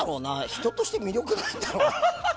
人として魅力ないんだろうな。